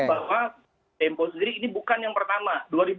bahwa tempo sendiri ini bukan yang pertama